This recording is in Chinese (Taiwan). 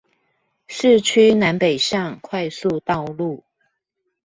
市區南北向快速道路